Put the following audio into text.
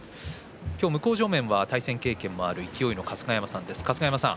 向正面は対戦経験のある勢の春日山さんです。